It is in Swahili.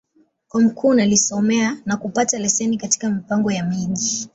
Kúmókụn alisomea, na kupata leseni katika Mipango ya Miji.